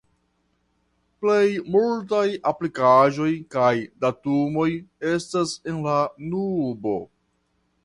Plej multaj aplikaĵoj kaj datumoj estas en la "nubo".